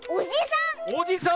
おじさん！